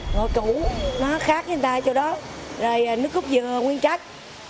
ngọt củ nó khác với người ta chỗ đó rồi nước cốt dừa nguyên trách